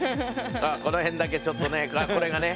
この辺だけちょっとねこれがね。